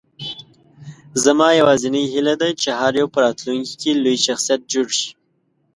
زما یوازینۍ هیله ده، چې هر یو په راتلونکې کې لوی شخصیت جوړ شي.